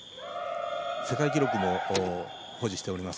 世界記録も保持しております。